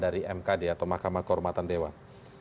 dari mkd atau mahkamah kehormatan dewan